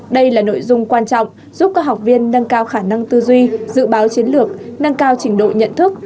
đây là nội dung quan trọng giúp các học viên nâng cao khả năng tư duy dự báo chiến lược nâng cao trình độ nhận thức